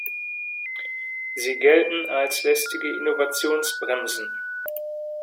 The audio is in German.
Sie gelten als lästige Innovationsbremsen.